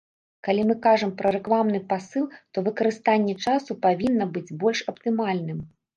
Калі мы кажам пра рэкламны пасыл, то выкарыстанне часу павінна быць больш аптымальным.